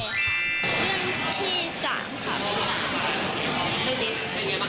เรื่องที่สามค่ะ